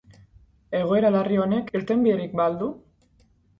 Egoera larri honek irtenbiderik ba al du?